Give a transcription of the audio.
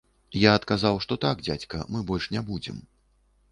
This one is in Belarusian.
Я адказаў, што так, дзядзька, мы больш не будзем.